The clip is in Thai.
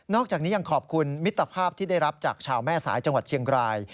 อกจากนี้ยังขอบคุณมิตรภาพที่ได้รับจากชาวแม่สายจังหวัดเชียงราย